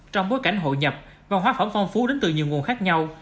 trong bối cảnh hội nhập văn hóa phẩm phong phú đến từ nhiều nguồn khác nhau